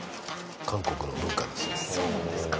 韓国の文化ですね。